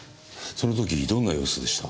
その時どんな様子でした？